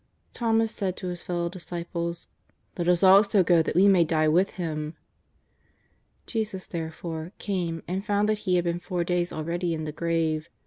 Thomas said to his fellow disciples :" Let us also go that we may die with Him." Jesus, therefore, came and found that he had been four days already in the grave.